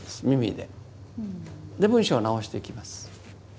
で文章を直していきます。